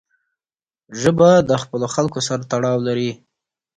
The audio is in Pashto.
ژبه د خپلو خلکو سره تړاو لري